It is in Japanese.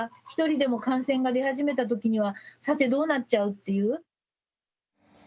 一人でも感染が出始めたときには、さてどうなっちゃうっていう。